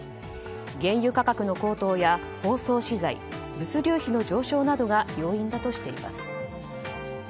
原油価格の高騰や包装資材物流費の上昇などが要因だとしています。